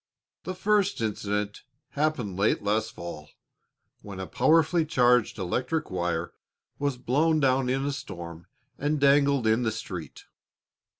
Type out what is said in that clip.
The first incident happened late last fall, when a powerfully charged electric wire was blown down in a storm and dangled in the street.